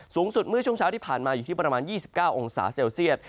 สูงสุดเมื่อช่วงเช้าที่ผ่านมาอยู่ที่ประมาณ๒๙องศาเซลเซียต